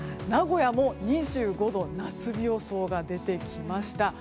名古屋も２５度夏日予想が出てきました。